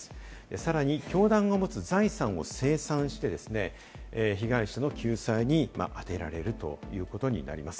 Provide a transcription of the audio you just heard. さらに教団が持つ財産を清算して、被害者の救済に充てられるということになります。